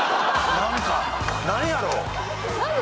何やろう？